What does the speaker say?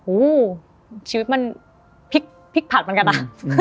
โอ้โหชีวิตมันพลิกผัดเหมือนกันนะ